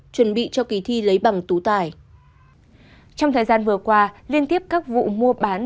chuẩn bị cho kỳ thi lấy bằng tú tài trong thời gian vừa qua liên tiếp các vụ mua bán